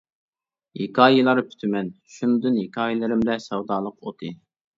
ھېكايىلەر پۈتىمەن شۇندىن، ھېكايىلىرىمدە سەۋدالىق ئوتى.